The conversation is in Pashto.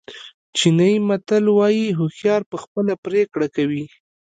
چینایي متل وایي هوښیار په خپله پرېکړه کوي.